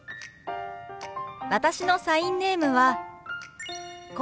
私のサインネームはこうです。